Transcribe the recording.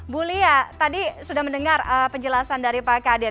bulia tadi sudah mendengar penjelasan dari pak kadir